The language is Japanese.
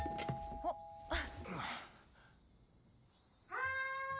・はい！